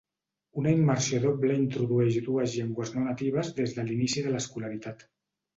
Una immersió doble introdueix dues llengües no natives des de l'inici de l'escolaritat.